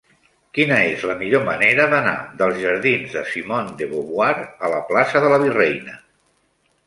Quina és la millor manera d'anar dels jardins de Simone de Beauvoir a la plaça de la Virreina?